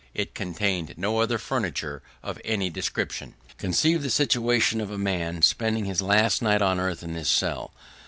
It contained no other furniture of any description. Conceive the situation of a man, spending his last night on earth in this cell.